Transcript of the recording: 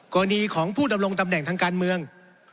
กรณีของผู้ดำรงตำแหน่งทางการเมือง